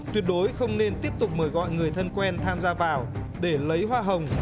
tuyệt đối không nên tiếp tục mời gọi người thân quen tham gia vào để lấy hoa hồng